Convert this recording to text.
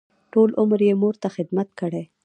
ټول عمر یې مور ته خدمت کړی.